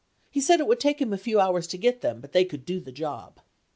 He said it would take him a few hours to get them, but they could do the job."